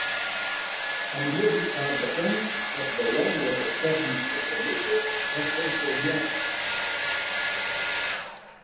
Fan 'e middei waard bekend dat de lanlike technyske kommisje wer funksjonearret.